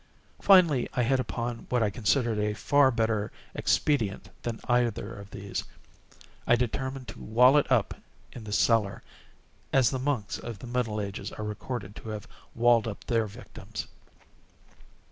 Finally I hit upon what I considered a far better expedient than either of these. I determined to wall it up in the cellar—as the monks of the middle ages are recorded to have walled up their victims.